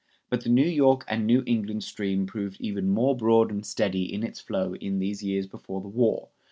But the New York and New England stream proved even more broad and steady in its flow in these years before the war.